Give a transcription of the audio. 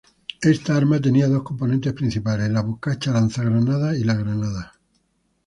Esta arma tenía dos componentes principales, la bocacha lanzagranadas y la granada.